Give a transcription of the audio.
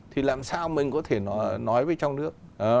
thì làm sao mình có thể nói với trong nước